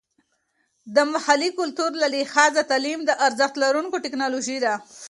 د محلي کلتور له لحاظه تعلیم د ارزښت لرونکې ټیکنالوژي ده.